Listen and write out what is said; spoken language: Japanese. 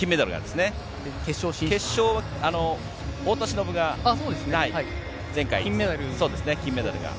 決勝は太田忍が、前回、金メダルが。